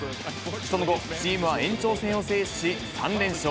その後、チームは延長戦を制し、３連勝。